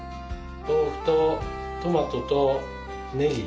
豆腐とトマトとネギ。